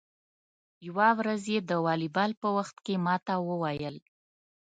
یوه ورځ یې د والیبال په وخت کې ما ته و ویل: